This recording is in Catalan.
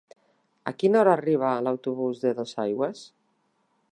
A quina hora arriba l'autobús de Dosaigües?